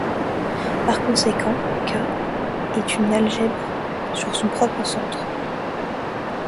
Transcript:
Par conséquent K est une algèbre sur son propre centre.